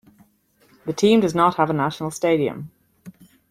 The team does not have a national stadium.